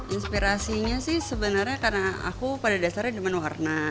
inspirasinya sih sebenarnya karena aku pada dasarnya dengan warna